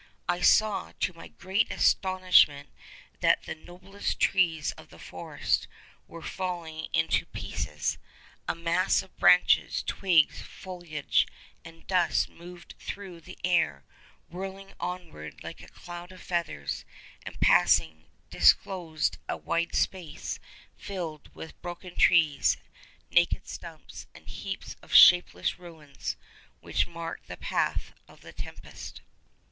'I saw, to my great astonishment, that the noblest trees of the forest were falling into pieces. A mass of branches, twigs, foliage, and dust moved through the air, whirled onward like a cloud of feathers, and passing, disclosed a wide space filled with broken trees, naked stumps, and heaps of shapeless ruins, which marked the path of the tempest.